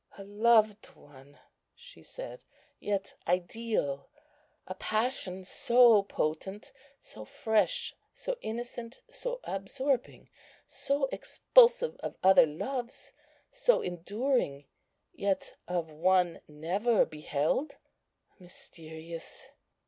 "A loved One," she said, "yet ideal; a passion so potent, so fresh, so innocent, so absorbing, so expulsive of other loves, so enduring, yet of One never beheld;—mysterious!